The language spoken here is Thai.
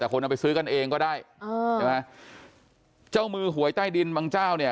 แต่คนเอาไปซื้อกันเองก็ได้อ๋อใช่ไหมเจ้ามือหวยใต้ดินบางเจ้าเนี่ย